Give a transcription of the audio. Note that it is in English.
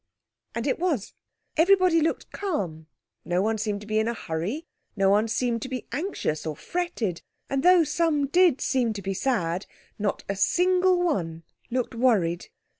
And it was. Everybody looked calm, no one seemed to be in a hurry, no one seemed to be anxious, or fretted, and though some did seem to be sad, not a single one looked worried.